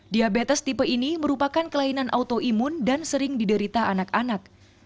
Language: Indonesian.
diabetes tipe ini merupakan kelainan autoimun dan sering diderita anak anak